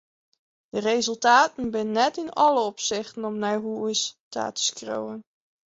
De resultaten binne net yn alle opsichten om oer nei hús te skriuwen.